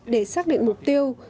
để xác định mục tiêu